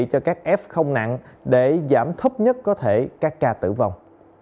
cho các f không nặng để giảm thấp nhất có thể các ca tử vong